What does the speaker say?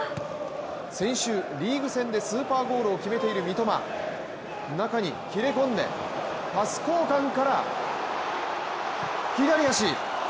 先週、リーグ戦でスーパーゴールを決めている三笘中に切れ込んでパス交換から左足。